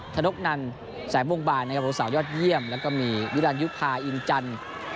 นกนันแสงวงบานนะครับสาวยอดเยี่ยมแล้วก็มีวิรันยุภาอินจันทร์